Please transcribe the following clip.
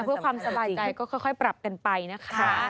เพื่อความสบายใจก็ค่อยปรับกันไปนะคะ